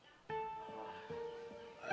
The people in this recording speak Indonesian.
hai itu manggisnya ya